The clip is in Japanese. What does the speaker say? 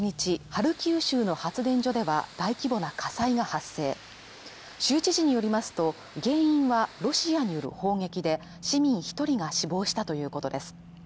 ハルキウ州の発電所では大規模な火災が発生州知事によりますと原因はロシアによる砲撃で市民一人が死亡したということです